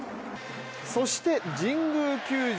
そして神宮球場